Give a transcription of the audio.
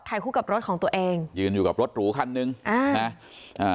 คู่กับรถของตัวเองยืนอยู่กับรถหรูคันหนึ่งอ่านะอ่า